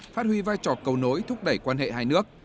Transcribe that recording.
phát huy vai trò cầu nối thúc đẩy quan hệ hai nước